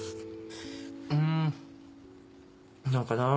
うん何かな